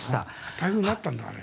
台風になったんだ、あれ。